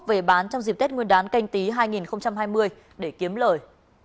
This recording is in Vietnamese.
về bán trong dịp tết nguyên đán canh tí hai nghìn hai mươi để kiếm lời